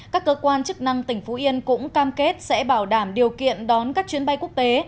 các cơ quan chức năng tỉnh phú yên cũng cam kết sẽ bảo đảm điều kiện đón các chuyến bay quốc tế